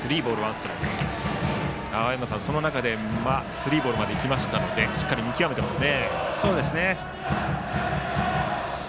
スリーボールまでいきましたのでしっかり見極めています。